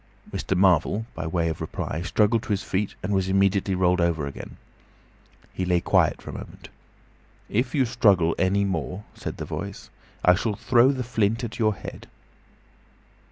Mr. Marvel by way of reply struggled to his feet, and was immediately rolled over again. He lay quiet for a moment. "If you struggle any more," said the Voice, "I shall throw the flint at your head."